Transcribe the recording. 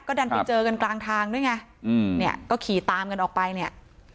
ดันไปเจอกันกลางทางด้วยไงอืมเนี่ยก็ขี่ตามกันออกไปเนี่ย